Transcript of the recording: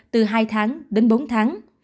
từ hai tháng đến bốn tháng